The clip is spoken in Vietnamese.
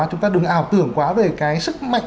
chúng ta đừng ảo tưởng quá về cái sức mạch